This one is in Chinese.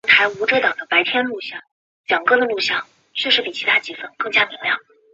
世界文明历史揭示了一个规律：任何一种文明都要与时偕行，不断吸纳时代精华。